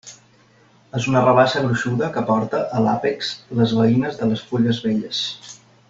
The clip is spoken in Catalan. És una rabassa gruixuda que porta, a l'àpex, les veïnes de les fulles velles.